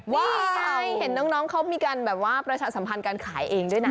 ว้าวเห็นน้องเขามีการประชาสัมพันธ์การขายเองด้วยนะ